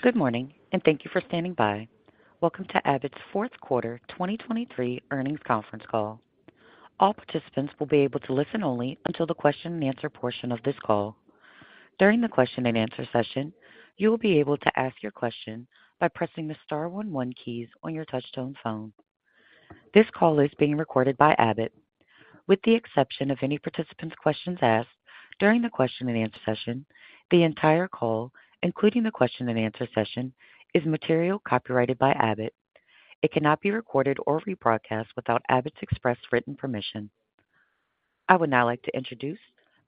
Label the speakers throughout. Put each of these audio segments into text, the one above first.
Speaker 1: Good morning, and thank you for standing by. Welcome to Abbott's fourth quarter 2023 earnings conference call. All participants will be able to listen only until the question and answer portion of this call. During the question and answer session, you will be able to ask your question by pressing the star one, one keys on your touchtone phone. This call is being recorded by Abbott. With the exception of any participant's questions asked during the question and answer session, the entire call, including the question and answer session, is material copyrighted by Abbott. It cannot be recorded or rebroadcast without Abbott's express written permission. I would now like to introduce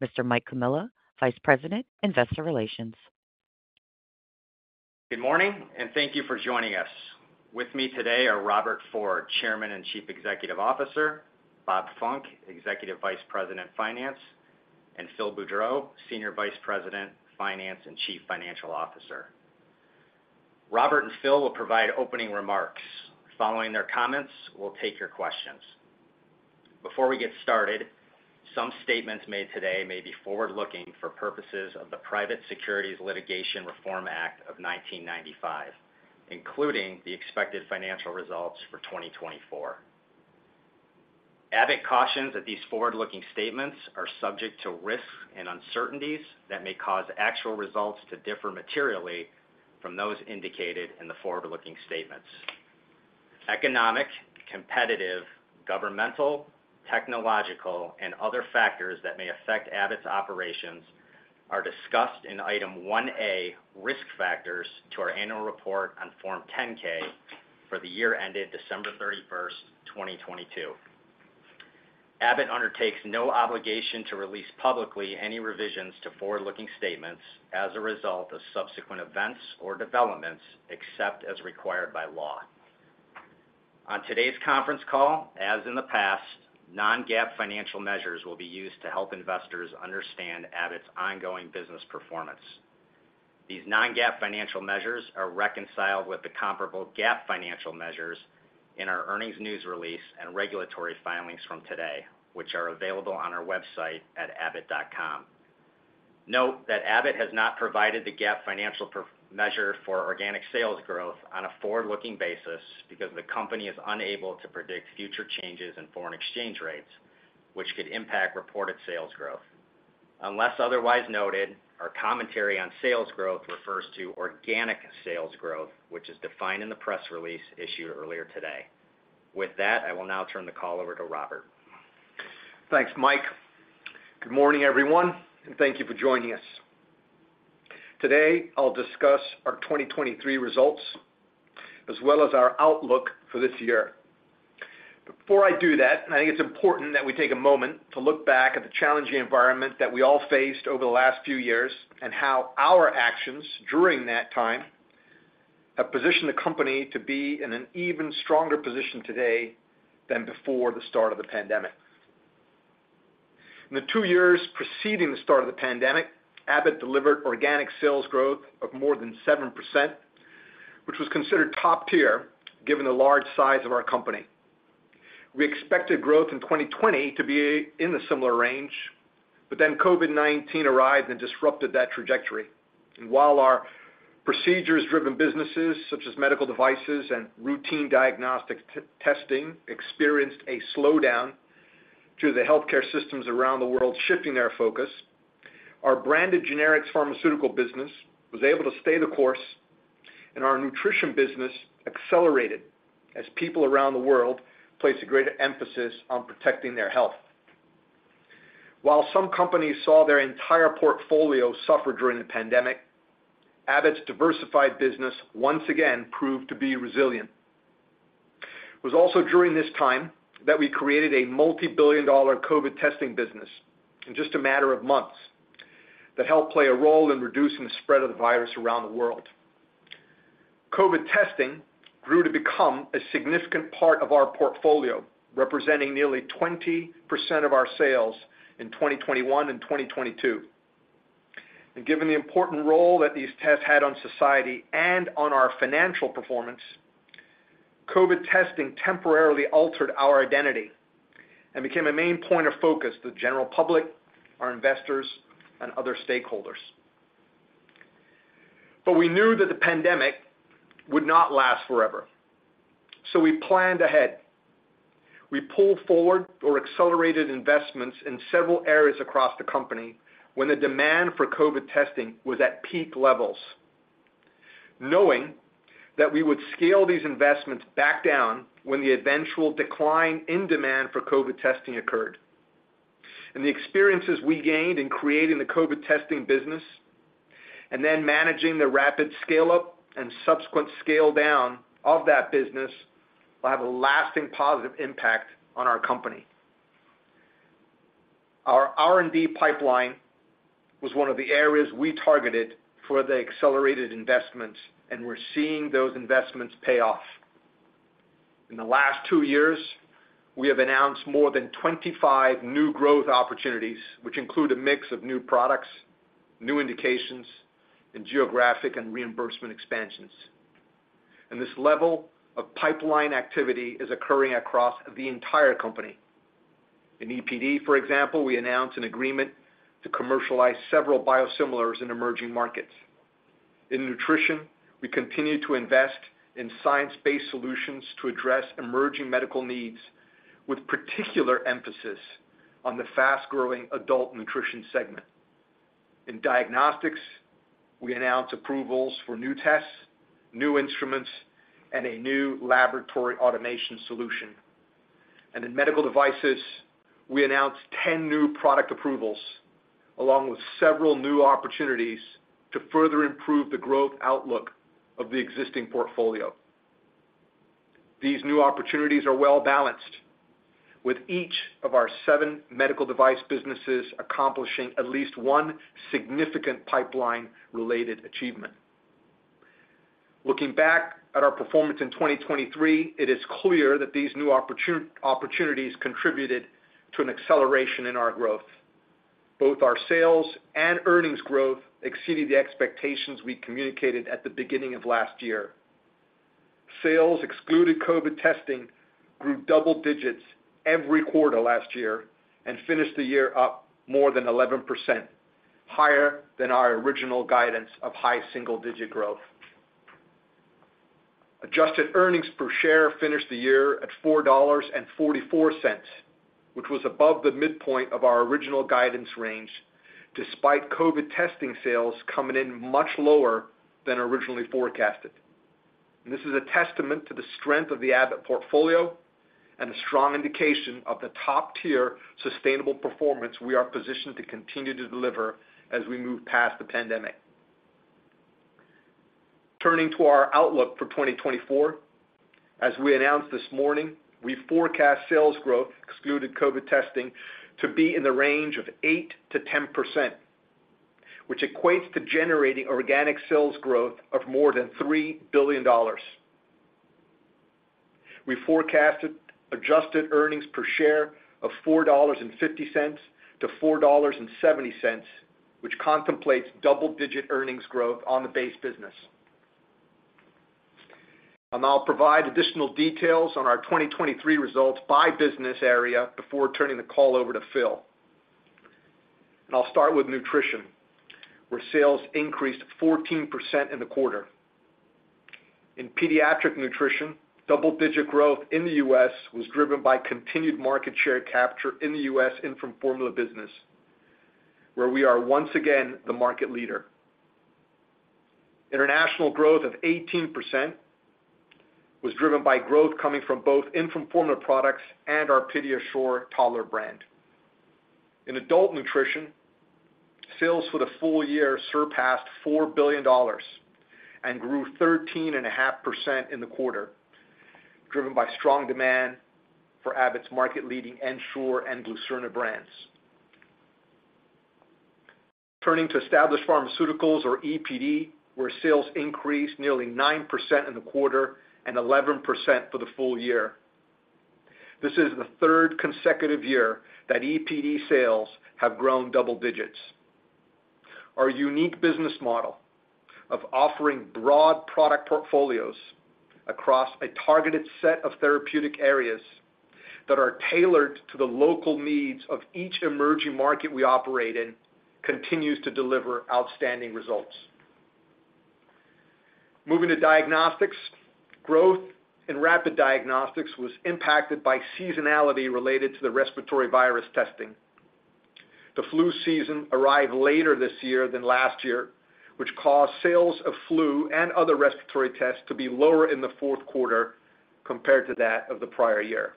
Speaker 1: Mr. Mike Comilla, Vice President, Investor Relations.
Speaker 2: Good morning, and thank you for joining us. With me today are Robert Ford, Chairman and Chief Executive Officer, Bob Funck, Executive Vice President, Finance, and Phil Boudreau, Senior Vice President, Finance, and Chief Financial Officer. Robert and Phil will provide opening remarks. Following their comments, we'll take your questions. Before we get started, some statements made today may be forward-looking for purposes of the Private Securities Litigation Reform Act of 1995, including the expected financial results for 2024. Abbott cautions that these forward-looking statements are subject to risks and uncertainties that may cause actual results to differ materially from those indicated in the forward-looking statements. Economic, competitive, governmental, technological, and other factors that may affect Abbott's operations are discussed in Item 1A, Risk Factors, to our annual report on Form 10-K for the year ended December 31, 2022. Abbott undertakes no obligation to release publicly any revisions to forward-looking statements as a result of subsequent events or developments, except as required by law. On today's conference call, as in the past, non-GAAP financial measures will be used to help investors understand Abbott's ongoing business performance. These non-GAAP financial measures are reconciled with the comparable GAAP financial measures in our earnings news release and regulatory filings from today, which are available on our website at abbott.com. Note that Abbott has not provided the GAAP financial measure for organic sales growth on a forward-looking basis because the company is unable to predict future changes in foreign exchange rates, which could impact reported sales growth. Unless otherwise noted, our commentary on sales growth refers to organic sales growth, which is defined in the press release issued earlier today. With that, I will now turn the call over to Robert.
Speaker 3: Thanks, Mike. Good morning, everyone, and thank you for joining us. Today, I'll discuss our 2023 results as well as our outlook for this year. Before I do that, I think it's important that we take a moment to look back at the challenging environment that we all faced over the last few years, and how our actions during that time have positioned the company to be in an even stronger position today than before the start of the pandemic. In the two years preceding the start of the pandemic, Abbott delivered organic sales growth of more than 7%, which was considered top tier, given the large size of our company. We expected growth in 2020 to be in a similar range, but then COVID-19 arrived and disrupted that trajectory. While our procedures-driven businesses, such as medical devices and routine diagnostic testing, experienced a slowdown due to the healthcare systems around the world shifting their focus, our branded generics pharmaceutical business was able to stay the course, and our nutrition business accelerated as people around the world placed a greater emphasis on protecting their health. While some companies saw their entire portfolio suffer during the pandemic, Abbott's diversified business once again proved to be resilient. It was also during this time that we created a multibillion-dollar COVID testing business in just a matter of months. That helped play a role in reducing the spread of the virus around the world. COVID testing grew to become a significant part of our portfolio, representing nearly 20% of our sales in 2021 and 2022. Given the important role that these tests had on society and on our financial performance, COVID testing temporarily altered our identity and became a main point of focus for the general public, our investors, and other stakeholders. But we knew that the pandemic would not last forever, so we planned ahead. We pulled forward or accelerated investments in several areas across the company when the demand for COVID testing was at peak levels, knowing that we would scale these investments back down when the eventual decline in demand for COVID testing occurred. And the experiences we gained in creating the COVID testing business and then managing the rapid scale-up and subsequent scale-down of that business will have a lasting, positive impact on our company. Our R&D pipeline was one of the areas we targeted for the accelerated investments, and we're seeing those investments pay off. In the last 2 years, we have announced more than 25 new growth opportunities, which include a mix of new products, new indications, and geographic and reimbursement expansions, and this level of pipeline activity is occurring across the entire company. In EPD, for example, we announced an agreement to commercialize several biosimilars in emerging markets. In nutrition, we continue to invest in science-based solutions to address emerging medical needs, with particular emphasis on the fast-growing adult nutrition segment. In diagnostics, we announced approvals for new tests, new instruments, and a new laboratory automation solution. And in medical devices, we announced 10 new product approvals, along with several new opportunities to further improve the growth outlook of the existing portfolio. These new opportunities are well-balanced, with each of our seven medical device businesses accomplishing at least one significant pipeline-related achievement. Looking back at our performance in 2023, it is clear that these new opportunities contributed to an acceleration in our growth. Both our sales and earnings growth exceeded the expectations we communicated at the beginning of last year. Sales, excluded COVID testing, grew double digits every quarter last year and finished the year up more than 11%, higher than our original guidance of high single-digit growth. Adjusted earnings per share finished the year at $4.44, which was above the midpoint of our original guidance range, despite COVID testing sales coming in much lower than originally forecasted. This is a testament to the strength of the Abbott portfolio and a strong indication of the top-tier, sustainable performance we are positioned to continue to deliver as we move past the pandemic. Turning to our outlook for 2024, as we announced this morning, we forecast sales growth, excluded COVID testing, to be in the range of 8%-10%, which equates to generating organic sales growth of more than $3 billion. We forecasted adjusted earnings per share of $4.50-$4.70, which contemplates double-digit earnings growth on the base business. I'll provide additional details on our 2023 results by business area before turning the call over to Phil. I'll start with nutrition, where sales increased 14% in the quarter. In pediatric nutrition, double-digit growth in the U.S. was driven by continued market share capture in the U.S. infant formula business, where we are once again the market leader. International growth of 18% was driven by growth coming from both infant formula products and our PediaSure toddler brand. In adult nutrition, sales for the full year surpassed $4 billion and grew 13.5% in the quarter, driven by strong demand for Abbott's market-leading Ensure and Glucerna brands. Turning to established pharmaceuticals, or EPD, where sales increased nearly 9% in the quarter and 11% for the full year. This is the third consecutive year that EPD sales have grown double digits. Our unique business model of offering broad product portfolios across a targeted set of therapeutic areas that are tailored to the local needs of each emerging market we operate in, continues to deliver outstanding results. Moving to diagnostics, growth in rapid diagnostics was impacted by seasonality related to the respiratory virus testing. The flu season arrived later this year than last year, which caused sales of flu and other respiratory tests to be lower in the fourth quarter compared to that of the prior year.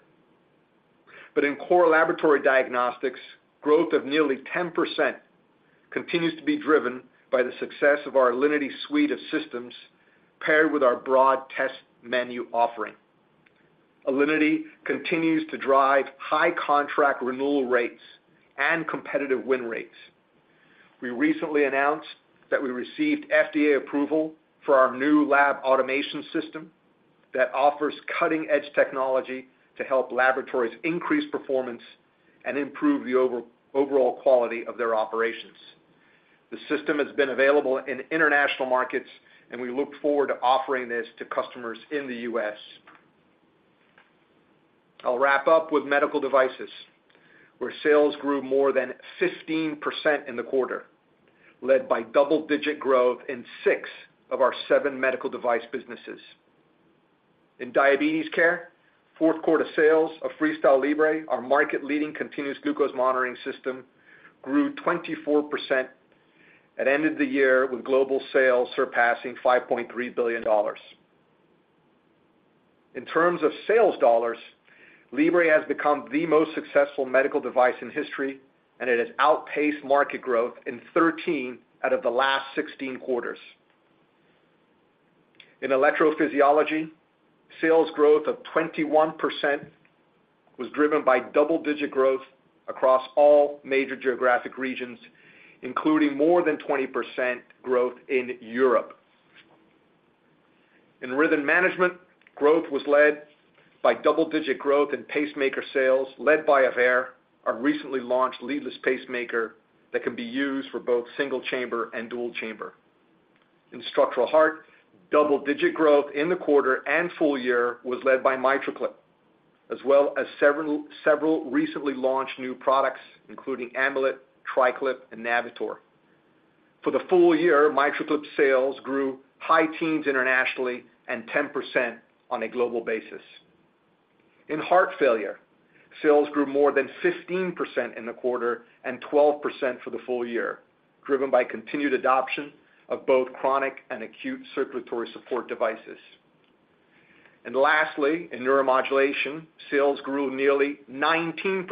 Speaker 3: But in core laboratory diagnostics, growth of nearly 10% continues to be driven by the success of our Alinity suite of systems, paired with our broad test menu offering. Alinity continues to drive high contract renewal rates and competitive win rates. We recently announced that we received FDA approval for our new lab automation system that offers cutting-edge technology to help laboratories increase performance and improve the overall quality of their operations. The system has been available in international markets, and we look forward to offering this to customers in the U.S. I'll wrap up with medical devices, where sales grew more than 15% in the quarter, led by double-digit growth in six of our seven medical device businesses. In diabetes care, fourth quarter sales of FreeStyle Libre, our market-leading continuous glucose monitoring system, grew 24% and ended the year with global sales surpassing $5.3 billion. In terms of sales dollars, Libre has become the most successful medical device in history, and it has outpaced market growth in 13 out of the last 16 quarters. In electrophysiology, sales growth of 21% was driven by double-digit growth across all major geographic regions, including more than 20% growth in Europe. In rhythm management, growth was led by double-digit growth in pacemaker sales led by Aveir, our recently launched leadless pacemaker that can be used for both single chamber and dual chamber. In structural heart, double-digit growth in the quarter and full year was led by MitraClip, as well as several recently launched new products, including Amplatzer Amulet, TriClip, and Navitor. For the full year, MitraClip sales grew high teens internationally and 10% on a global basis. In heart failure, sales grew more than 15% in the quarter and 12% for the full year, driven by continued adoption of both chronic and acute circulatory support devices. And lastly, in neuromodulation, sales grew nearly 19%,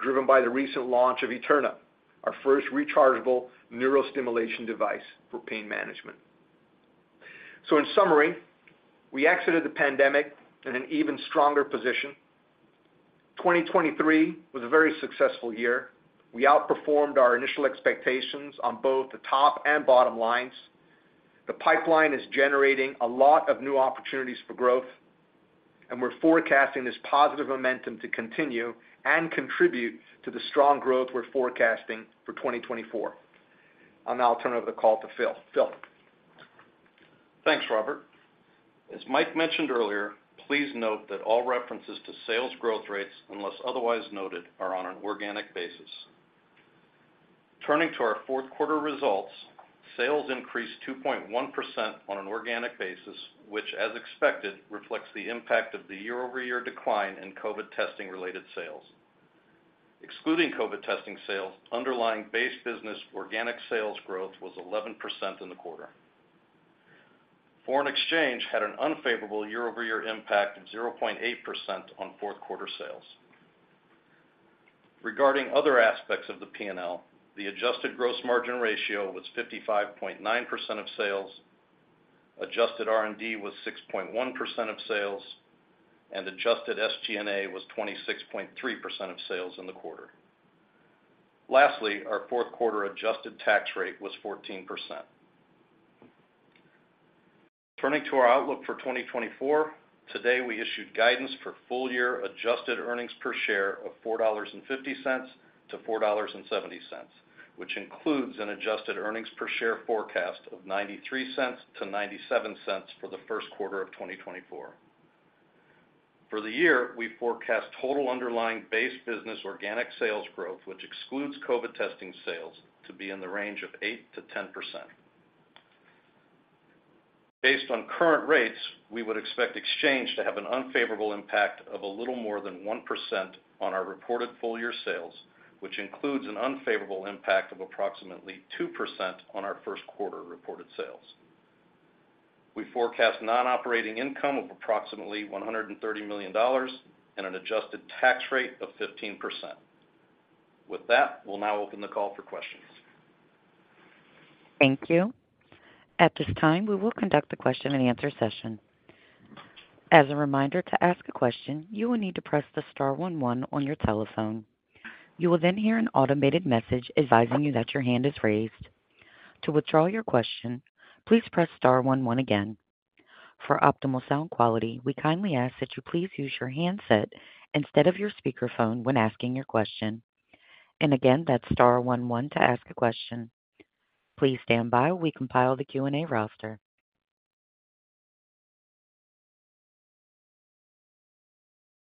Speaker 3: driven by the recent launch of Eterna, our first rechargeable neurostimulation device for pain management. So in summary, we exited the pandemic in an even stronger position. 2023 was a very successful year. We outperformed our initial expectations on both the top and bottom lines. The pipeline is generating a lot of new opportunities for growth, and we're forecasting this positive momentum to continue and contribute to the strong growth we're forecasting for 2024. I'll now turn over the call to Phil. Phil?
Speaker 4: Thanks, Robert. As Mike mentioned earlier, please note that all references to sales growth rates, unless otherwise noted, are on an organic basis. Turning to our fourth quarter results, sales increased 2.1% on an organic basis, which, as expected, reflects the impact of the year-over-year decline in COVID testing-related sales. Excluding COVID testing sales, underlying base business organic sales growth was 11% in the quarter. Foreign exchange had an unfavorable year-over-year impact of 0.8% on fourth quarter sales. Regarding other aspects of the PNL, the adjusted gross margin ratio was 55.9% of sales, adjusted R&D was 6.1% of sales, and adjusted SG&A was 26.3% of sales in the quarter. Lastly, our fourth quarter adjusted tax rate was 14%. Turning to our outlook for 2024, today, we issued guidance for full-year adjusted earnings per share of $4.50-$4.70, which includes an adjusted earnings per share forecast of $0.93-$0.97 for the first quarter of 2024. For the year, we forecast total underlying base business organic sales growth, which excludes COVID testing sales, to be in the range of 8%-10%. Based on current rates, we would expect exchange to have an unfavorable impact of a little more than 1% on our reported full-year sales, which includes an unfavorable impact of approximately 2% on our first quarter reported sales. We forecast non-operating income of approximately $130 million and an adjusted tax rate of 15%. With that, we'll now open the call for questions.
Speaker 1: Thank you. At this time, we will conduct a question-and-answer session. As a reminder, to ask a question, you will need to press the star one one on your telephone. You will then hear an automated message advising you that your hand is raised. To withdraw your question, please press star one one again. For optimal sound quality, we kindly ask that you please use your handset instead of your speakerphone when asking your question. And again, that's star one one to ask a question. Please stand by. We compile the Q&A roster.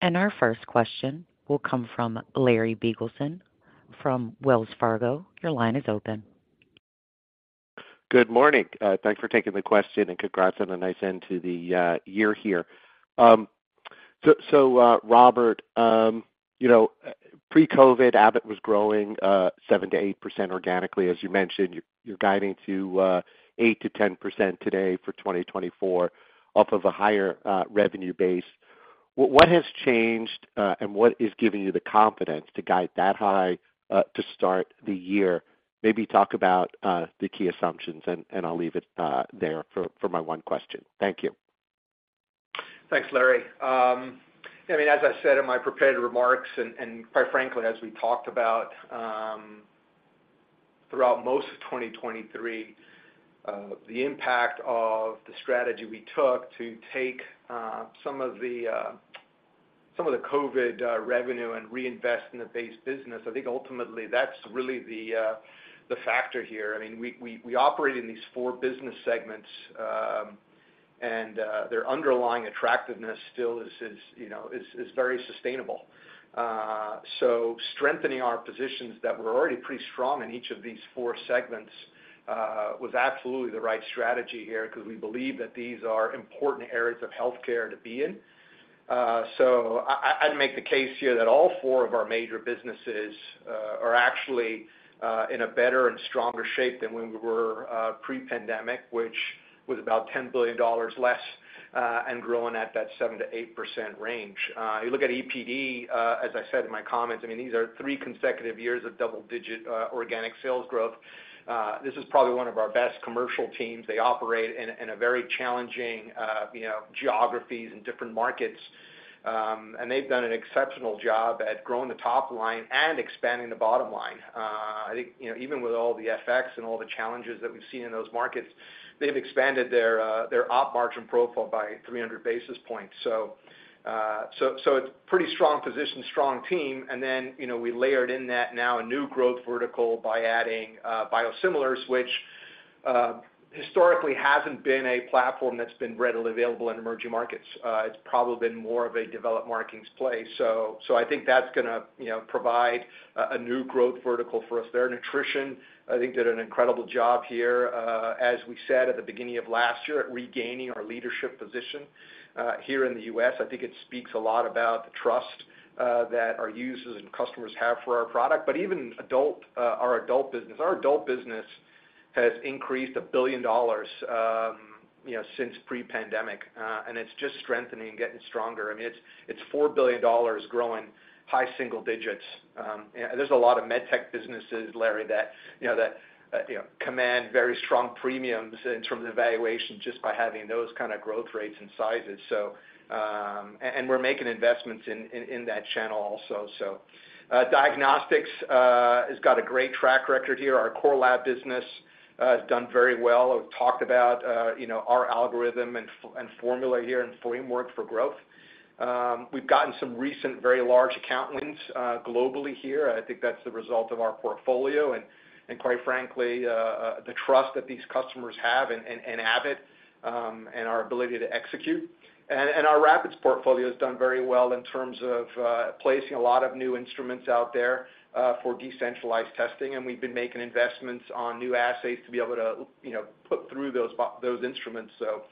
Speaker 1: And our first question will come from Larry Biegelsen from Wells Fargo. Your line is open.
Speaker 5: Good morning. Thanks for taking the question, and congrats on a nice end to the year here. So, robert pre-COVID, Abbott was growing 7%-8% organically. As you mentioned, you're guiding to 8%-10% today for 2024, off of a higher revenue base. What has changed, and what is giving you the confidence to guide that high to start the year? Maybe talk about the key assumptions, and I'll leave it there for my one question. Thank you.
Speaker 3: Thanks, Larry. I mean, as I said in my prepared remarks, and quite frankly, as we talked about throughout most of 2023, the impact of the strategy we took to take some of the COVID revenue and reinvest in the base business, I think ultimately that's really the factor here. I mean, we operate in these four business segments, and their underlying attractiveness still is very sustainable. So strengthening our positions that were already pretty strong in each of these four segments was absolutely the right strategy here because we believe that these are important areas of healthcare to be in. So I'd make the case here that all four of our major businesses are actually in a better and stronger shape than when we were pre-pandemic, which was about $10 billion less and growing at that 7%-8% range. You look at EPD, as I said in my comments, I mean, these are three consecutive years of double-digit organic sales growth. This is probably one of our best commercial teams. They operate in a very challenging geographies and different markets, and they've done an exceptional job at growing the top line and expanding the bottom line. I think even with all the FX and all the challenges that we've seen in those markets, they've expanded their op margin profile by 300 basis points. So, so it's pretty strong position, strong team, and then we layered in that now a new growth vertical by adding, biosimilars, which historically hasn't been a platform that's been readily available in emerging markets. It's probably been more of a developed markets play. So, so I think that's gonna provide a, a new growth vertical for us there. Nutrition, I think, did an incredible job here, as we said at the beginning of last year, at regaining our leadership position, here in the U.S. I think it speaks a lot about the trust, that our users and customers have for our product. But even adult, our adult business. Our adult business has increased $1 billion since pre-pandemic, and it's just strengthening and getting stronger. I mean, it's $4 billion growing high single digits. And there's a lot of med tech businesses, Larry, that that command very strong premiums in terms of valuation just by having those kind of growth rates and sizes. So, and we're making investments in that channel also, so. Diagnostics has got a great track record here. Our core lab business has done very well. I've talked about our algorithm and formula here, and framework for growth. We've gotten some recent very large account wins globally here. I think that's the result of our portfolio, and quite frankly, the trust that these customers have in Abbott, and our ability to execute. Our Rapids portfolio has done very well in terms of placing a lot of new instruments out there for decentralized testing, and we've been making investments on new assays to be able to put through those those instruments, so.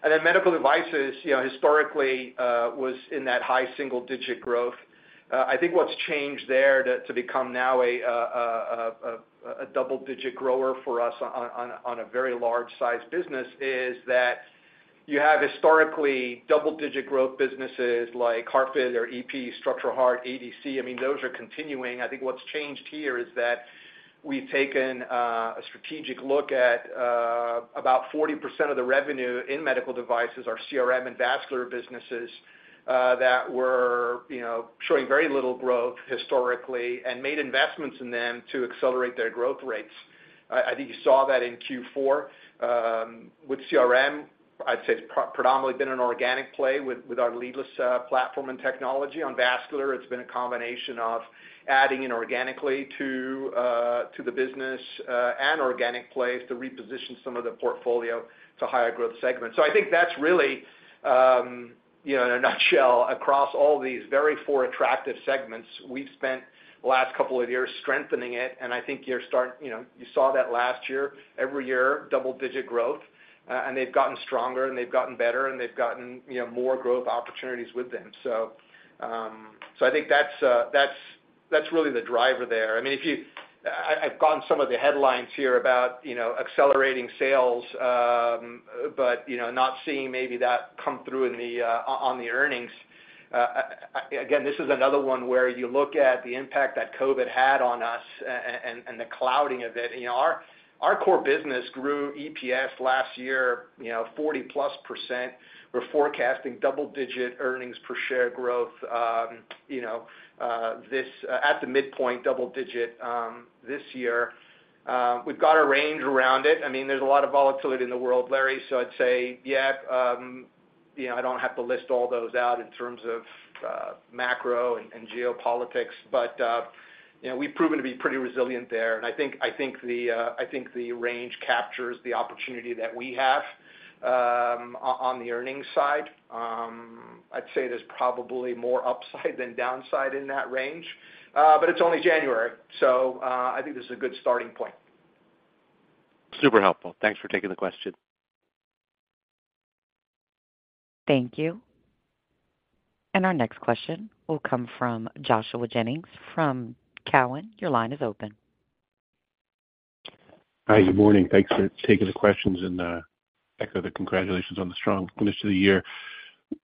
Speaker 3: And then Medical devices historically, was in that high single digit growth. I think what's changed there to become now a double-digit grower for us on a very large size business, is that you have historically double-digit growth businesses like Heart Failure or EP, Structural Heart, ADC. I mean, those are continuing. I think what's changed here is that we've taken a strategic look at about 40% of the revenue in medical devices, our CRM and vascular businesses, that were showing very little growth historically, and made investments in them to accelerate their growth rates. I think you saw that in Q4. With CRM, I'd say it's predominantly been an organic play with our leadless platform and technology. On vascular, it's been a combination of adding in organically to the business and organic plays to reposition some of the portfolio to higher growth segments. So I think that's really in a nutshell, across all these very four attractive segments, we've spent the last couple of years strengthening it, and I think you – You know, you saw that last year, every year, double-digit growth, and they've gotten stronger, and they've gotten better, and they've gotten more growth opportunities with them. So, so I think that's, that's really the driver there. I mean, if you... I've gotten some of the headlines here about accelerating sales, but not seeing maybe that come through in the, on the earnings. Again, this is another one where you look at the impact that COVID had on us and the clouding of it. You know, our core business grew EPS last year 40+%. We're forecasting double-digit earnings per share growth this at the midpoint, double digit this year. We've got a range around it. I mean, there's a lot of volatility in the world, Larry. So I'd say, yeah I don't have to list all those out in terms of, macro and, and geopolitics, but we've proven to be pretty resilient there, and I think, I think the, I think the range captures the opportunity that we have, on the earnings side. I'd say there's probably more upside than downside in that range, but it's only January, so, I think this is a good starting point.
Speaker 5: Super helpful. Thanks for taking the question.
Speaker 1: Thank you. And our next question will come from Joshua Jennings from Cowen. Your line is open.
Speaker 6: Hi, good morning. Thanks for taking the questions, and echo the congratulations on the strong finish to the year.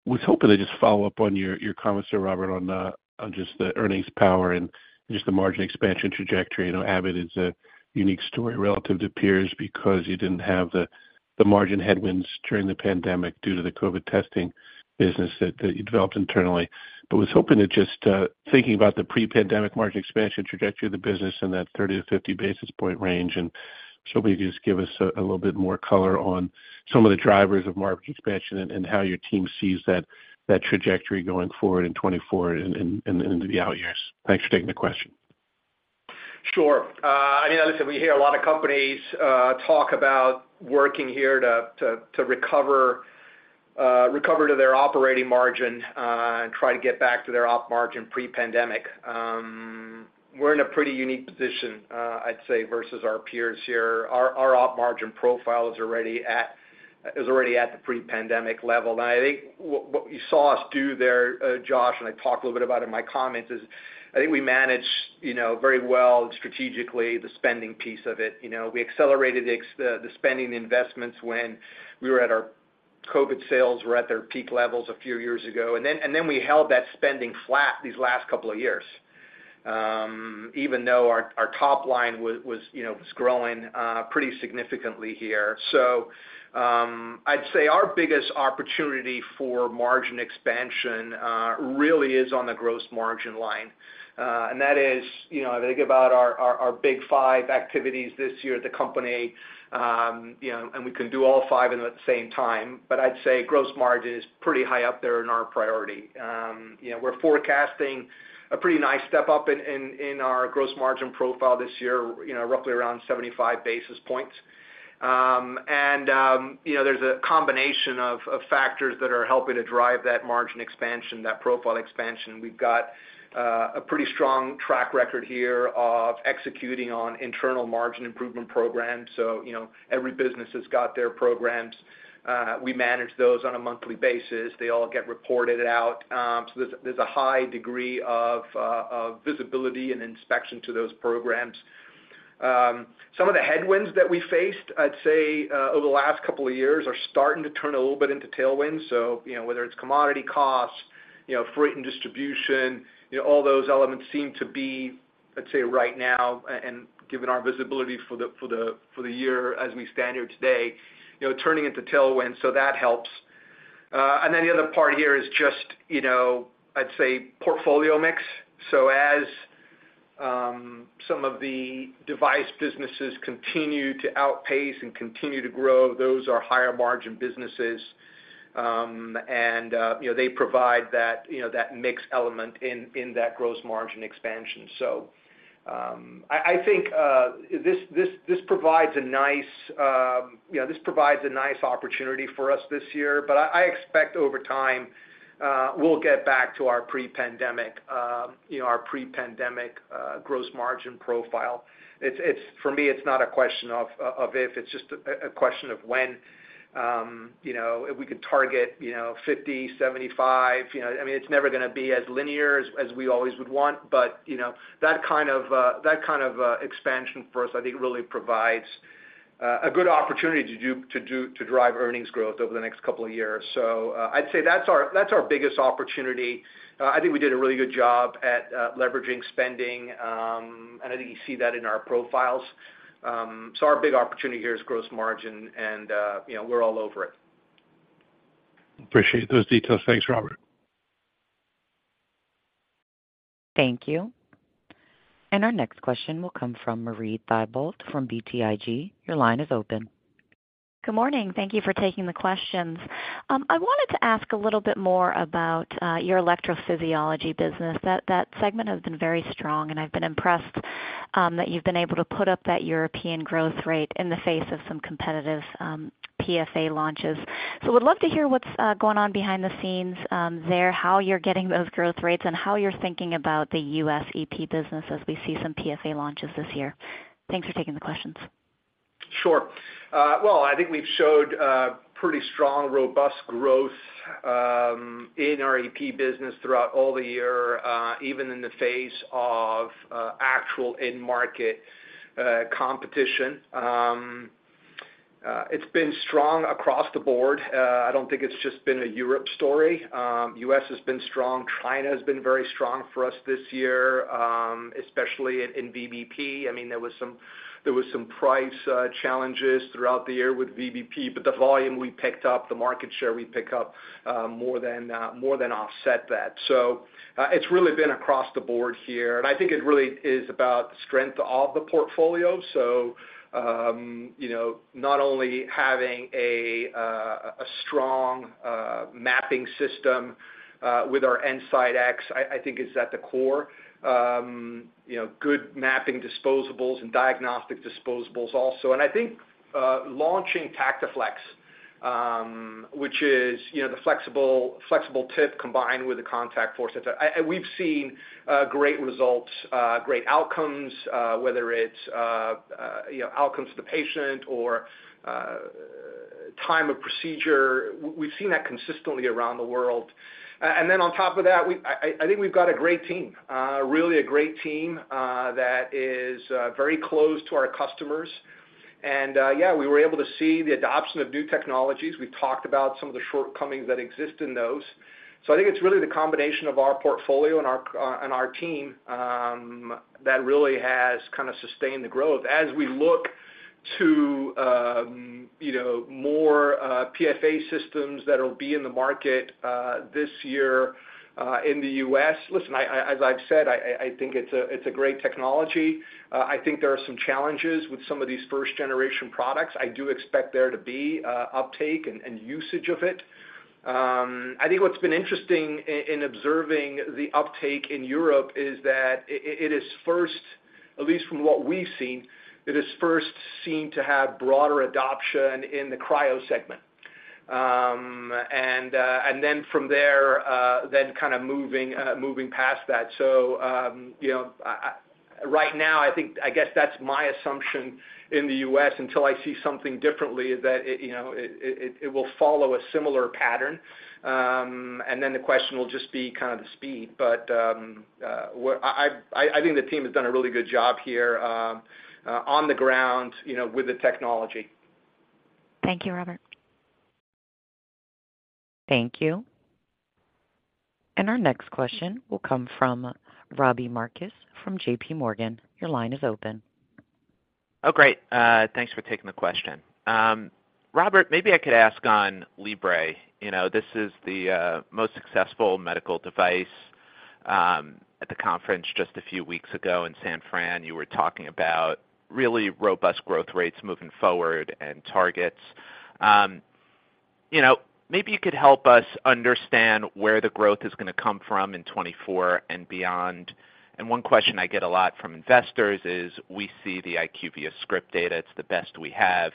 Speaker 6: Was hoping to just follow up on your comments there, Robert, on just the earnings power and just the margin expansion trajectory. I know Abbott is a unique story relative to peers because you didn't have the margin headwinds during the pandemic due to the COVID testing business that you developed internally. But was hoping to just thinking about the pre-pandemic margin expansion trajectory of the business and that 30-50 basis points range, and just hope you just give us a little bit more color on some of the drivers of margin expansion and how your team sees that trajectory going forward in 2024 and into the out years. Thanks for taking the question.
Speaker 3: Sure. I mean, listen, we hear a lot of companies talk about working here to recover to their operating margin and try to get back to their op margin pre-pandemic. We're in a pretty unique position, I'd say, versus our peers here. Our op margin profile is already at the pre-pandemic level. And I think what you saw us do there, Josh, and I talked a little bit about in my comments, is I think we managed very well strategically, the spending piece of it. You know, we accelerated the spending investments when our COVID sales were at their peak levels a few years ago, and then we held that spending flat these last couple of years. Even though our top line was growing pretty significantly here. So, I'd say our biggest opportunity for margin expansion really is on the gross margin line. And that is I think about our big five activities this year at the company and we can do all five in the same time, but I'd say gross margin is pretty high up there in our priority. You know, we're forecasting a pretty nice step up in our gross margin profile this year roughly around 75 basis points. and there's a combination of factors that are helping to drive that margin expansion, that profile expansion. We've got a pretty strong track record here of executing on internal margin improvement programs. so every business has got their programs. We manage those on a monthly basis. They all get reported out, so there's a high degree of visibility and inspection to those programs. Some of the headwinds that we faced, I'd say, over the last couple of years, are starting to turn a little bit into tailwinds. so whether it's commodity costs freight and distribution all those elements seem to be, let's say, right now, and given our visibility for the year as we stand here today turning into tailwinds, so that helps. And then the other part here is just I'd say, portfolio mix. So as some of the device businesses continue to outpace and continue to grow, those are higher margin businesses, and you know, they provide that that mix element in that gross margin expansion. So I think this provides a nice opportunity for us this year, but I expect over time we'll get back to our pre-pandemic gross margin profile. It's for me, it's not a question of if, it's just a question of when. You know, if we could target 50-75 I mean, it's never gonna be as linear as we always would want, but that kind of expansion for us, I think, really provides a good opportunity to drive earnings growth over the next couple of years. So, I'd say that's our biggest opportunity. I think we did a really good job at leveraging spending, and I think you see that in our profiles. So, our big opportunity here is gross margin, and we're all over it.
Speaker 6: Appreciate those details. Thanks, Robert.
Speaker 1: Thank you. And our next question will come from Marie Thibault, from BTIG. Your line is open.
Speaker 7: Good morning. Thank you for taking the questions. I wanted to ask a little bit more about your electrophysiology business. That segment has been very strong, and I've been impressed that you've been able to put up that European growth rate in the face of some competitive PFA launches. So would love to hear what's going on behind the scenes there, how you're getting those growth rates, and how you're thinking about the U.S. EP business as we see some PFA launches this year. Thanks for taking the questions.
Speaker 3: Sure. Well, I think we've showed pretty strong, robust growth in our EP business throughout all the year, even in the face of actual end market competition. It's been strong across the board. I don't think it's just been a Europe story. U.S. has been strong. China has been very strong for us this year, especially in VBP. I mean, there was some price challenges throughout the year with VBP, but the volume we picked up, the market share we pick up, more than offset that. So, it's really been across the board here, and I think it really is about the strength of the portfolio. so not only having a strong mapping system with our EnSite X, I think is at the core. You know, good mapping disposables and diagnostic disposables also. And I think launching TactiFlex, which is the flexible tip combined with the Contact Force. And we've seen great results, great outcomes, whether it's outcomes to the patient or time of procedure, we've seen that consistently around the world. And then on top of that, I think we've got a great team, really a great team, that is very close to our customers. And yeah, we were able to see the adoption of new technologies. We've talked about some of the shortcomings that exist in those. So I think it's really the combination of our portfolio and our and our team that really has kind of sustained the growth. As we look to you know more PFA systems that will be in the market this year in the U.S., listen, as I've said, I think it's a great technology. I think there are some challenges with some of these first-generation products. I do expect there to be uptake and usage of it. I think what's been interesting in observing the uptake in Europe is that it is first, at least from what we've seen, it is first seen to have broader adoption in the cryo segment. And then from there, then kind of moving past that. So you know I... Right now, I think, I guess that's my assumption in the U.S., until I see something differently, that it it will follow a similar pattern. And then the question will just be kind of the speed, but I think the team has done a really good job here, on the ground with the technology.
Speaker 7: Thank you, Robert.
Speaker 1: Thank you. And our next question will come from Robbie Marcus from JPMorgan. Your line is open.
Speaker 8: Oh, great. Thanks for taking the question. Robert, maybe I could ask on Libre. You know, this is the most successful medical device. At the conference just a few weeks ago in San Fran, you were talking about really robust growth rates moving forward and targets. You know, maybe you could help us understand where the growth is going to come from in 2024 and beyond. And one question I get a lot from investors is we see the IQVIA script data. It's the best we have.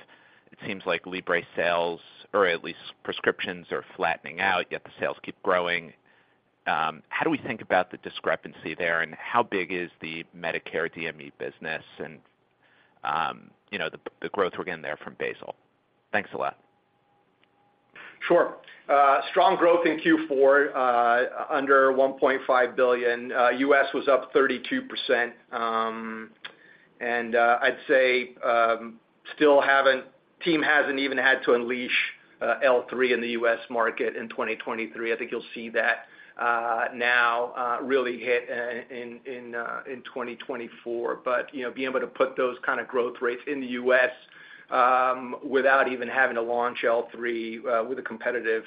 Speaker 8: It seems like Libre sales, or at least prescriptions, are flattening out, yet the sales keep growing. How do we think about the discrepancy there, and how big is the Medicare DME business and the growth we're getting there from basal? Thanks a lot.
Speaker 3: Sure. Strong growth in Q4 under $1.5 billion. U.S. was up 32%. And I'd say, the team still hasn't even had to unleash L3 in the U.S. market in 2023. I think you'll see that now really hit in 2024. But you know, being able to put those kind of growth rates in the U.S. without even having to launch L3 with a competitive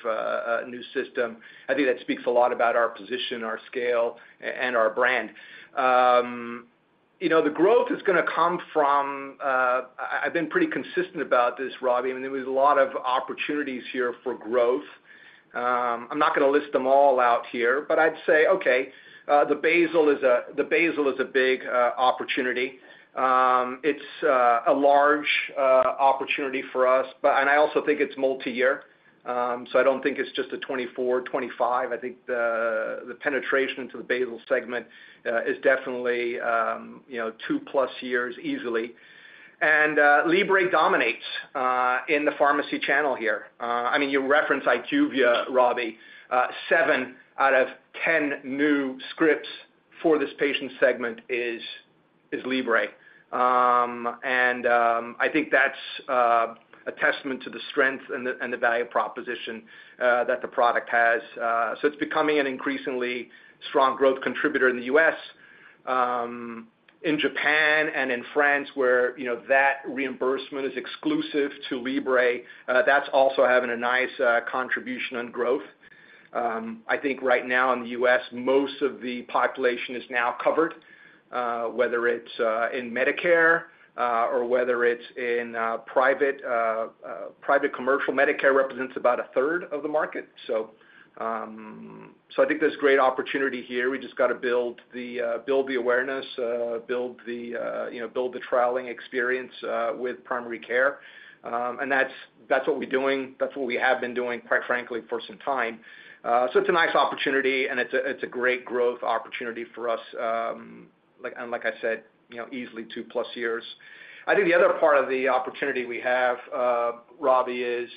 Speaker 3: new system, I think that speaks a lot about our position, our scale, and our brand. You know, the growth is going to come from... I've been pretty consistent about this, Robbie. I mean, there is a lot of opportunities here for growth. I'm not going to list them all out here, but I'd say, okay, the basal is a, the basal is a big opportunity. It's a large opportunity for us, but—and I also think it's multiyear. So I don't think it's just a 2024, 2025. I think the penetration into the basal segment is definitely 2+ years easily. And Libre dominates in the pharmacy channel here. I mean, you referenced IQVIA, Robbie. Seven out of 10 new scripts for this patient segment is Libre. And I think that's a testament to the strength and the value proposition that the product has. So it's becoming an increasingly strong growth contributor in the US. In Japan and in France, where that reimbursement is exclusive to Libre, that's also having a nice contribution on growth. I think right now in the US, most of the population is now covered, whether it's in Medicare, or whether it's in private, private commercial. Medicare represents about a third of the market. So, so I think there's great opportunity here. We just got to build the, build the awareness, build the build the trialing experience with primary care. And that's, that's what we're doing. That's what we have been doing, quite frankly, for some time. So it's a nice opportunity, and it's a, it's a great growth opportunity for us, like... and like I said easily 2+ years. I think the other part of the opportunity we have, Robbie, is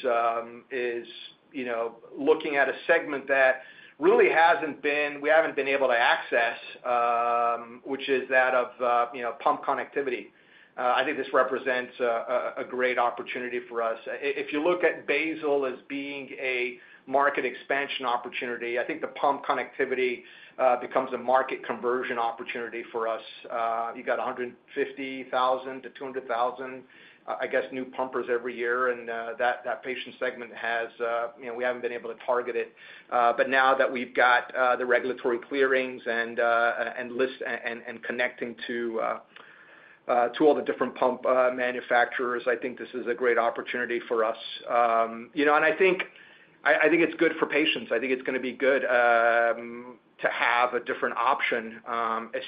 Speaker 3: looking at a segment that really hasn't been. We haven't been able to access, which is that of pump connectivity. I think this represents a great opportunity for us. If you look at basal as being a market expansion opportunity, I think the pump connectivity becomes a market conversion opportunity for us. You got 150,000-200,000, I guess, new pumpers every year, and that patient segment has we haven't been able to target it. But now that we've got the regulatory clearings and lists and connecting to all the different pump manufacturers, I think this is a great opportunity for us. You know, and I think it's good for patients. I think it's going to be good to have a different option,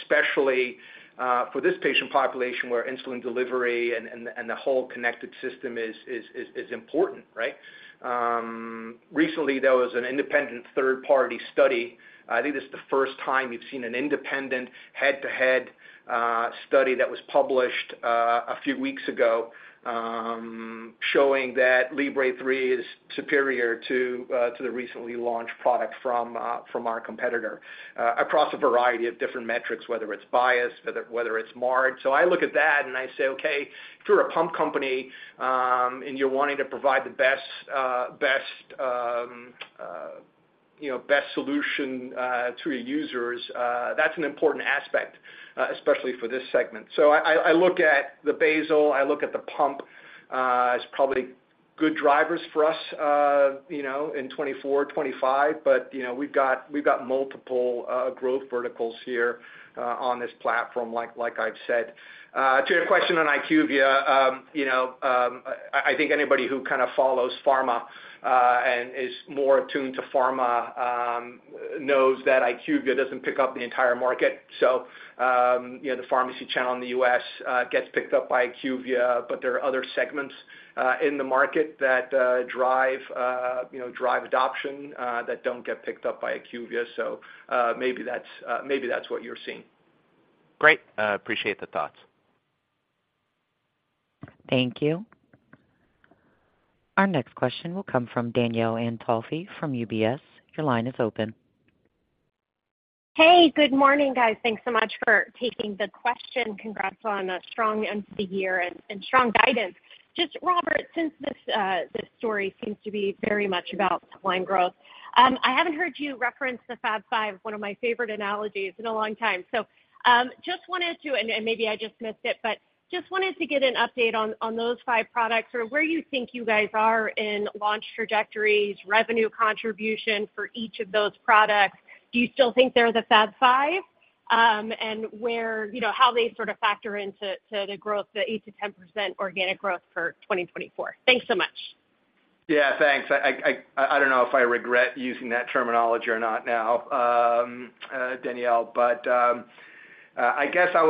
Speaker 3: especially for this patient population, where insulin delivery and the whole connected system is important, right? Recently, there was an independent third-party study. I think this is the first time we've seen an independent head-to-head study that was published a few weeks ago, showing that Libre 3 is superior to the recently launched product from our competitor across a variety of different metrics, whether it's bias, whether it's MARD. So I look at that, and I say, okay, if you're a pump company, and you're wanting to provide the best, best best solution, to your users, that's an important aspect, especially for this segment. So I look at the basal, I look at the pump, as probably good drivers for us in 2024, 2025. but we've got, we've got multiple, growth verticals here, on this platform, like, like I've said. To your question on iqvia I think anybody who kind of follows pharma, and is more attuned to pharma, knows that IQVIA doesn't pick up the entire market. so the pharmacy channel in the U.S. gets picked up by IQVIA, but there are other segments in the market that drive drive adoption that don't get picked up by IQVIA. So, maybe that's, maybe that's what you're seeing.
Speaker 8: Great. Appreciate the thoughts.
Speaker 1: Thank you. Our next question will come from Danielle Antalffy from UBS. Your line is open....
Speaker 9: Hey, good morning, guys. Thanks so much for taking the question. Congrats on a strong end to the year and strong guidance. Just Robert, since this story seems to be very much about line growth, I haven't heard you reference the Fab Five, one of my favorite analogies, in a long time. Just wanted to, maybe I just missed it, but just wanted to get an update on those five products, or where you think you guys are in launch trajectories, revenue contribution for each of those products. Do you still think they're the Fab Five? And where how they sort of factor into the growth, the 8%-10% organic growth for 2024. Thanks so much.
Speaker 3: Yeah, thanks. I don't know if I regret using that terminology or not now, Danielle, but I guess I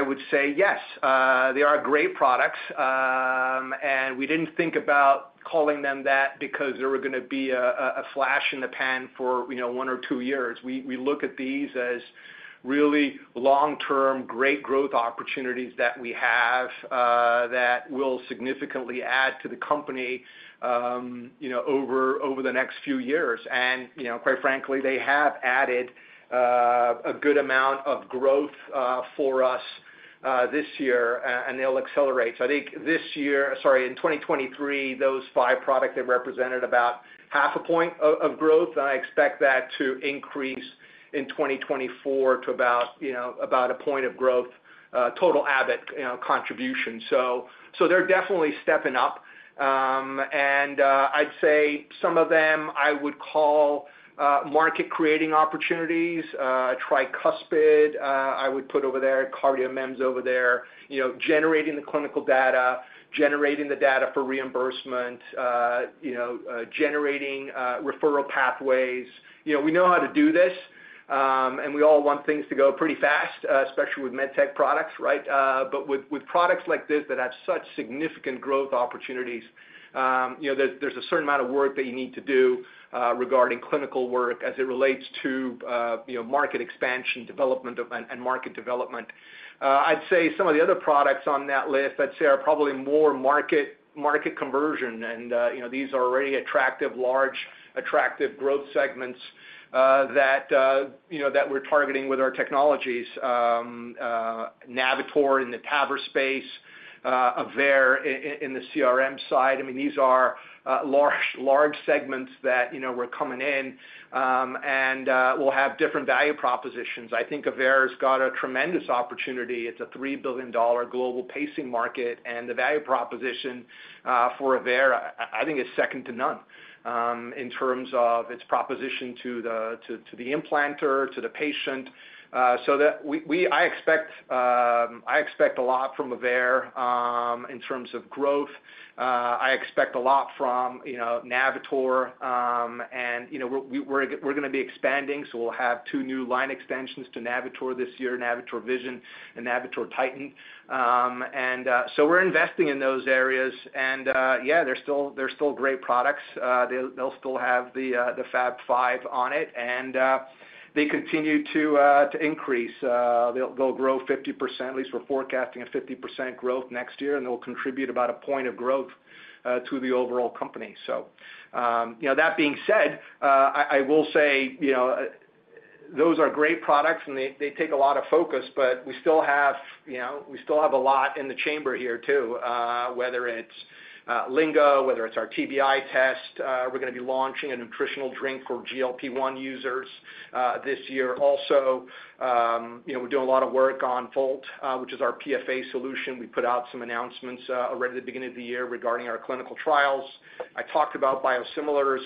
Speaker 3: would say yes. They are great products, and we didn't think about calling them that because they were gonna be a flash in the pan for one or two years. We look at these as really long-term, great growth opportunities that we have that will significantly add to the company over the next few years. and quite frankly, they have added a good amount of growth for us this year, and they'll accelerate. So I think this year... Sorry, in 2023, those five products, they represented about half a point of growth, and I expect that to increase in 2024 to about about a point of growth, total abbott contribution. So, they're definitely stepping up. And I'd say some of them, I would call market-creating opportunities. Tricuspid, I would put over there, CardioMEMS over there generating the clinical data, generating the data for reimbursement generating referral pathways. You know, we know how to do this, and we all want things to go pretty fast, especially with med tech products, right? But with products like this that have such significant growth opportunities there's a certain amount of work that you need to do regarding clinical work as it relates to market expansion, development of, and market development. I'd say some of the other products on that list, I'd say, are probably more market, market conversion, and these are already attractive, large, attractive growth segments, that that we're targeting with our technologies. Navitor in the TAVR space, Aveir in the CRM side. I mean, these are large, large segments that we're coming in, and will have different value propositions. I think Aveir's got a tremendous opportunity. It's a $3 billion global pacing market, and the value proposition for Aveir, I think, is second to none in terms of its proposition to the implanter, to the patient. So I expect a lot from Aveir in terms of growth. I expect a lot from Navitor, and we're gonna be expanding, so we'll have two new line extensions to Navitor this year, Navitor Vision and Navitor Titan. And so we're investing in those areas, and yeah, they're still great products. They'll still have the Fab Five on it, and they continue to increase. They'll grow 50%, at least we're forecasting a 50% growth next year, and they'll contribute about a point of growth to the overall company. so that being said, I will say those are great products, and they take a lot of focus, but we still have we still have a lot in the chamber here, too, whether it's Lingo, whether it's our TBI test. We're gonna be launching a nutritional drink for GLP-1 users this year. also we're doing a lot of work on Volt, which is our PFA solution. We put out some announcements already at the beginning of the year regarding our clinical trials. I talked about biosimilars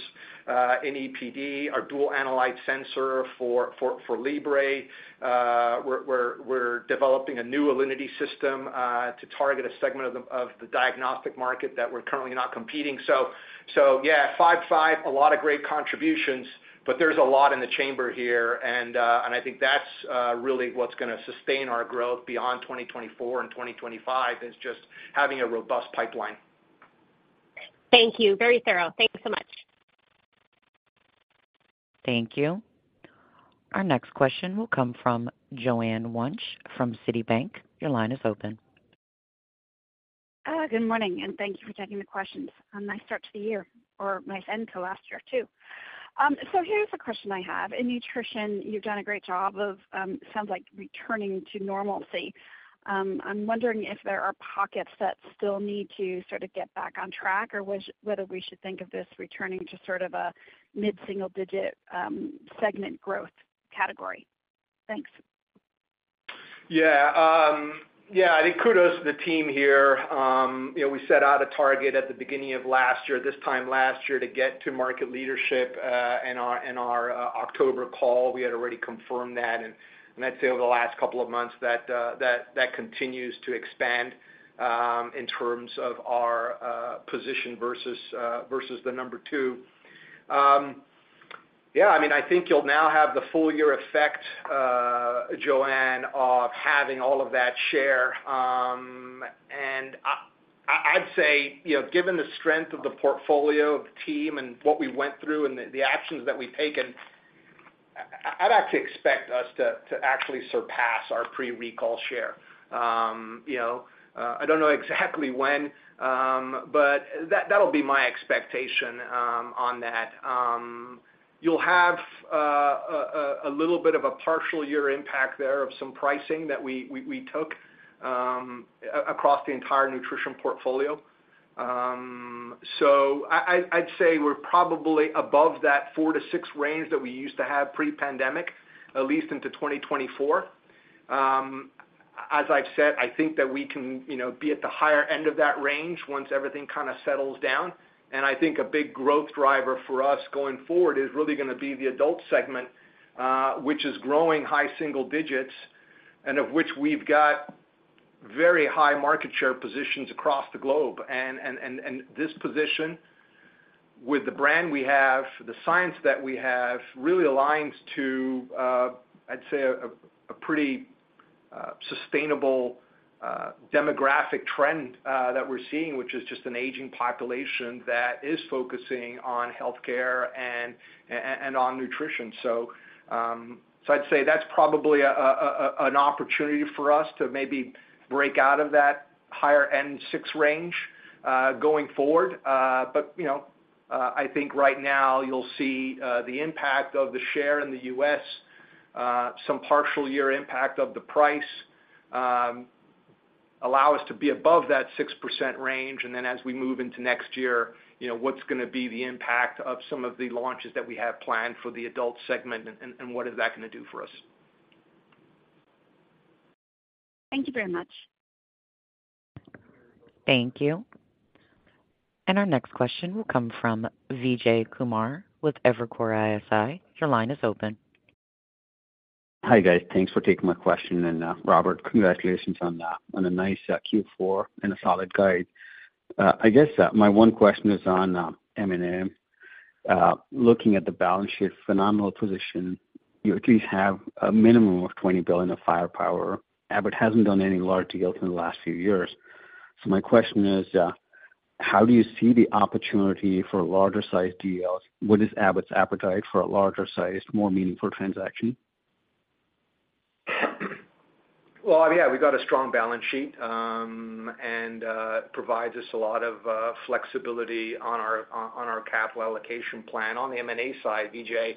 Speaker 3: in EPD, our dual analyte sensor for Libre. We're developing a new Alinity system to target a segment of the diagnostic market that we're currently not competing. So yeah, 5, 5, a lot of great contributions, but there's a lot in the chamber here, and I think that's really what's gonna sustain our growth beyond 2024 and 2025, is just having a robust pipeline.
Speaker 9: Thank you. Very thorough. Thank you so much.
Speaker 1: Thank you. Our next question will come from Joanne Wuensch from Citibank. Your line is open.
Speaker 10: Good morning, and thank you for taking the questions. A nice start to the year, or nice end to last year, too. So here's a question I have: In nutrition, you've done a great job of sounds like returning to normalcy. I'm wondering if there are pockets that still need to sort of get back on track, or whether we should think of this returning to sort of a mid-single digit segment growth category? Thanks.
Speaker 3: Yeah, yeah, I think kudos to the team here. You know, we set out a target at the beginning of last year, this time last year, to get to market leadership in our October call. We had already confirmed that, and I'd say over the last couple of months that that continues to expand in terms of our position versus the number two. Yeah, I mean, I think you'll now have the full year effect, Joanne, of having all of that share. And I'd say given the strength of the portfolio of the team and what we went through and the actions that we've taken, I'd actually expect us to actually surpass our pre-recall share. You know, I don't know exactly when, but that, that'll be my expectation, on that. You'll have a little bit of a partial year impact there of some pricing that we took across the entire nutrition portfolio. So I'd say we're probably above that 4-6 range that we used to have pre-pandemic, at least into 2024. As I've said, I think that we can be at the higher end of that range once everything kind of settles down. And I think a big growth driver for us going forward is really going to be the adult segment, which is growing high single digits and of which we've got very high market share positions across the globe. This position with the brand we have, the science that we have, really aligns to, I'd say, a pretty sustainable demographic trend that we're seeing, which is just an aging population that is focusing on health care and on nutrition. So, I'd say that's probably an opportunity for us to maybe break out of that higher end 6 range going forward. but I think right now you'll see the impact of the share in the U.S., some partial year impact of the price, allow us to be above that 6% range. And then as we move into next year what's going to be the impact of some of the launches that we have planned for the adult segment, and what is that going to do for us?
Speaker 10: Thank you very much.
Speaker 1: Thank you. And our next question will come from Vijay Kumar with Evercore ISI. Your line is open.
Speaker 11: Hi, guys. Thanks for taking my question, and, Robert, congratulations on a nice Q4 and a solid guide. I guess my one question is on M&A. Looking at the balance sheet, phenomenal position, you at least have a minimum of $20 billion of firepower. Abbott hasn't done any large deals in the last few years. So my question is: How do you see the opportunity for larger sized deals? What is Abbott's appetite for a larger sized, more meaningful transaction?
Speaker 3: Well, yeah, we've got a strong balance sheet, and it provides us a lot of flexibility on our capital allocation plan. On the M&A side, Vijay,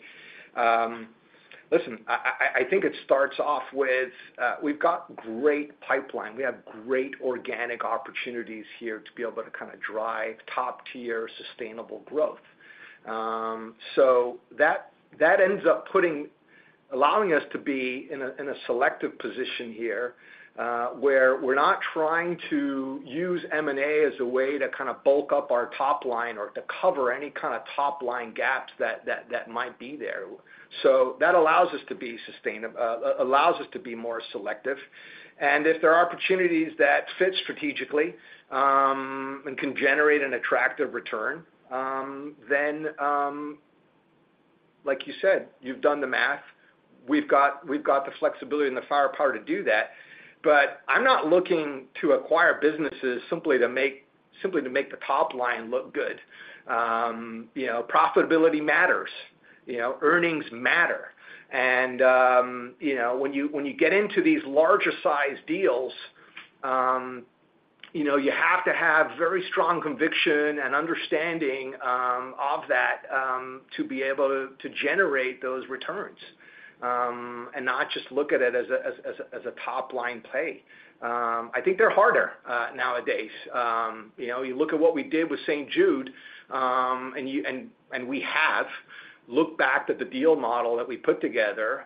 Speaker 3: listen, I think it starts off with we've got great pipeline. We have great organic opportunities here to be able to kind of drive top-tier, sustainable growth. So that ends up allowing us to be in a selective position here, where we're not trying to use M&A as a way to kind of bulk up our top line or to cover any kind of top line gaps that might be there. So that allows us to be more selective. And if there are opportunities that fit strategically, and can generate an attractive return, then, like you said, you've done the math. We've got the flexibility and the firepower to do that. But I'm not looking to acquire businesses simply to make the top line look good. You know, profitability matters. You know, earnings matter. and when you get into these larger sized deals you have to have very strong conviction and understanding of that to be able to generate those returns, and not just look at it as a top line play. I think they're harder nowadays. You know, you look at what we did with St. St. Jude, and you—and, and we have looked back at the deal model that we put together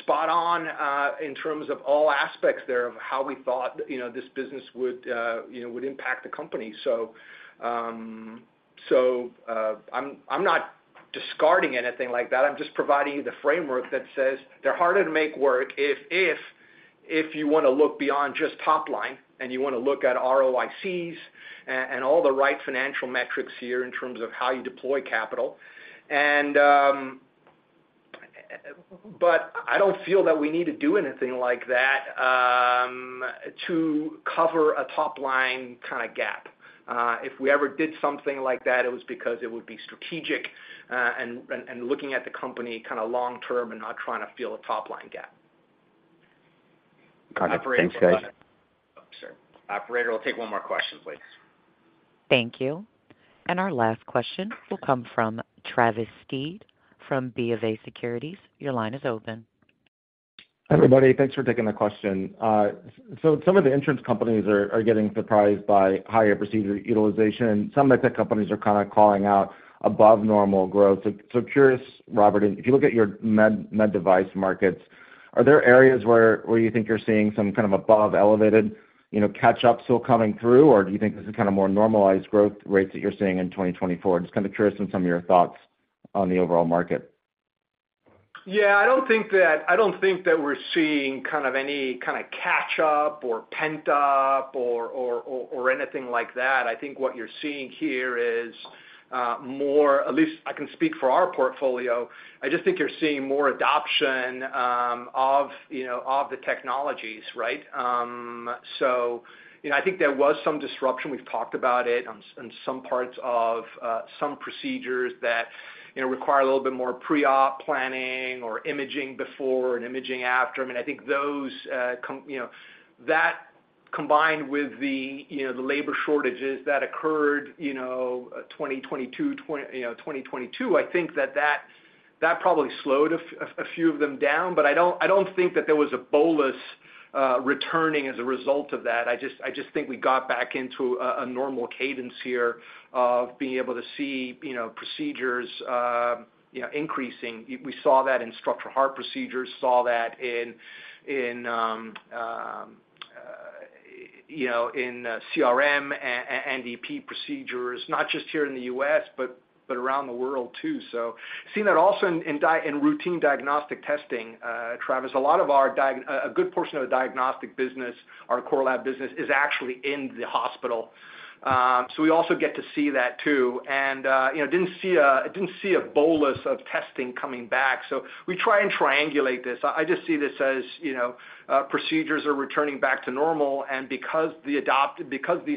Speaker 3: spot on, in terms of all aspects thereof how we thought this business would would impact the company. So, so, I'm, I'm not discarding anything like that. I'm just providing you the framework that says they're harder to make work if, if, if you want to look beyond just top line, and you want to look at ROICs and all the right financial metrics here in terms of how you deploy capital. And, but I don't feel that we need to do anything like that, to cover a top-line kind of gap. If we ever did something like that, it was because it would be strategic, and looking at the company kind of long term and not trying to fill a top-line gap.
Speaker 11: Got it. Thanks, guys.
Speaker 3: Operator. Oh, sorry. Operator, I'll take one more question, please.
Speaker 1: Thank you. And our last question will come from Travis Steed, from BofA Securities. Your line is open.
Speaker 12: Hi, everybody. Thanks for taking the question. So some of the insurance companies are getting surprised by higher procedure utilization, and some med tech companies are kind of calling out above normal growth. So curious, Robert, if you look at your med device markets, are there areas where you think you're seeing some kind of above elevated catch up still coming through? Or do you think this is kind of more normalized growth rates that you're seeing in 2024? Just kind of curious on some of your thoughts on the overall market.
Speaker 3: Yeah, I don't think that we're seeing kind of any kind of catch up or pent up or anything like that. I think what you're seeing here is more. At least I can speak for our portfolio. I just think you're seeing more adoption of of the technologies, right? so I think there was some disruption, we've talked about it, on some parts of some procedures that require a little bit more pre-op planning or imaging before and imaging after. I mean, I think those that combined with the the labor shortages that occurred 2022, I think that probably slowed a few of them down. But I don't, I don't think that there was a bolus returning as a result of that. I just, I just think we got back into a normal cadence here of being able to see procedures increasing. We saw that in structural heart procedures, saw that in CRM and EP procedures, not just here in the U.S., but around the world too. So seeing that also in routine diagnostic testing, Travis, a lot of our diagnostic business, a good portion of the diagnostic business, our core lab business, is actually in the hospital. So we also get to see that too. and didn't see a bolus of testing coming back, so we try and triangulate this. I just see this as procedures are returning back to normal, and because these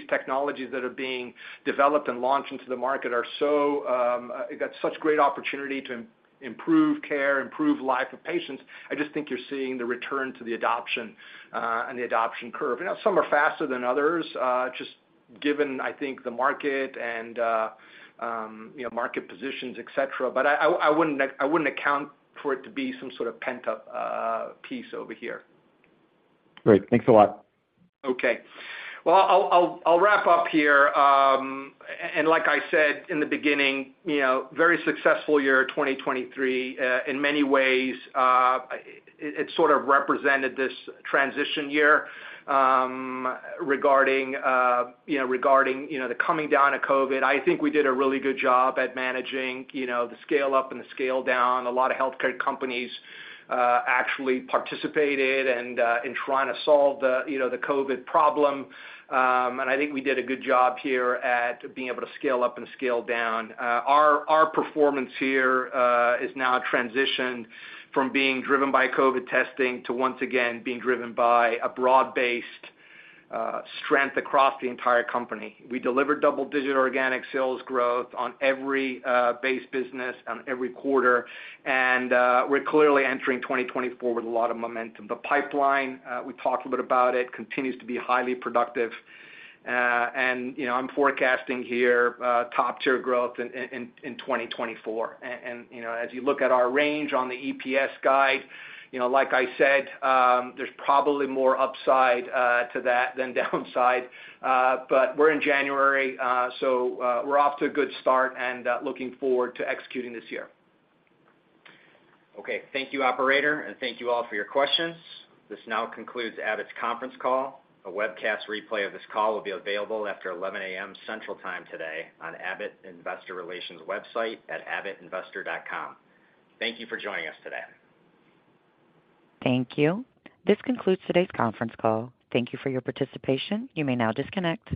Speaker 3: technologies that are being developed and launched into the market are so, they got such great opportunity to improve care, improve life of patients. I just think you're seeing the return to the adoption, and the adoption curve. You know, some are faster than others, just given, I think, the market and market positions, et cetera. But I wouldn't account for it to be some sort of pent-up piece over here.
Speaker 12: Great. Thanks a lot.
Speaker 3: Okay. Well, I'll wrap up here. And like I said in the beginning very successful year, 2023. In many ways, it sort of represented this transition year, regarding regarding the coming down of COVID. I think we did a really good job at managing the scale up and the scale down. A lot of healthcare companies actually participated and in trying to solve the the COVID problem. And I think we did a good job here at being able to scale up and scale down. Our performance here is now a transition from being driven by COVID testing to, once again, being driven by a broad-based strength across the entire company. We delivered double-digit organic sales growth on every base business on every quarter, and we're clearly entering 2024 with a lot of momentum. The pipeline, we talked a bit about it, continues to be highly productive. and I'm forecasting here top-tier growth in 2024. and as you look at our range on the EPS guide like I said, there's probably more upside to that than downside. But we're in January, so we're off to a good start and looking forward to executing this year.
Speaker 2: Okay. Thank you, operator, and thank you all for your questions. This now concludes Abbott's conference call. A webcast replay of this call will be available after 11 A.M. Central Time today on Abbott Investor Relations website at abbottinvestor.com. Thank you for joining us today.
Speaker 1: Thank you. This concludes today's conference call. Thank you for your participation. You may now disconnect.